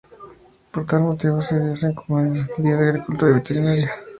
Por tal motivo, ese día, se conmemora el Día de la Agricultura y Veterinaria.